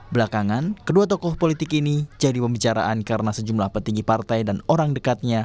belakangan kedua tokoh politik ini jadi pembicaraan karena sejumlah petinggi partai dan orang dekatnya